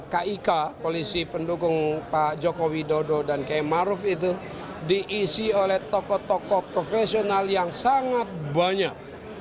kik koalisi pendukung pak jokowi dodo dan km maruf itu diisi oleh tokoh tokoh profesional yang sangat banyak